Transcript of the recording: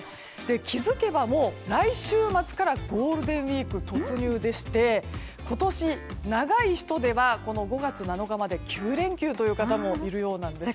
気づけばもう来週末からゴールデンウィーク突入でして今年、長い人では５月７日まで９連休という方もいるようなんですよね。